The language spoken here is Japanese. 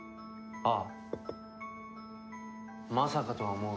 ああ。